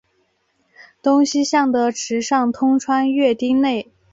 东西向的池上通穿越町内。